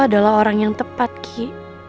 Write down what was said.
adalah orang yang tepat ki